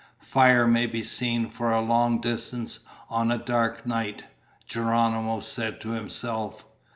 "Fire may be seen for a long distance on a dark night," Geronimo said to himself.